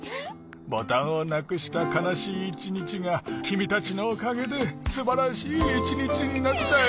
ボタンをなくしたかなしいいちにちがきみたちのおかげですばらしいいちにちなったよ。